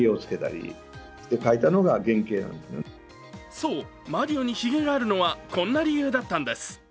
そう、マリオにひげがあるのはこんな理由だったんです。